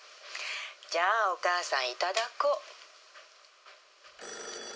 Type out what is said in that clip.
じゃあお母さんいただこう。